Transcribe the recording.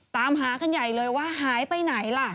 ตามหากันใหญ่เลยว่าหายไปไหนล่ะ